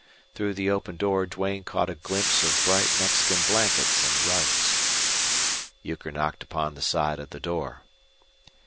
Through the open door Duane caught a glimpse of bright Mexican blankets and rugs. Euchre knocked upon the side of the door.